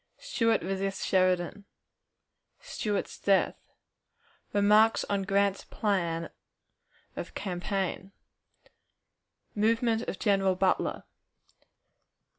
Stuart resists Sheridan. Stuart's Death. Remarks on Grant's Plan of Campaign. Movement of General Butler.